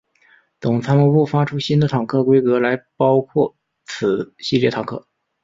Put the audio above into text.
总参谋部发出新的坦克规格来包括此系列坦克。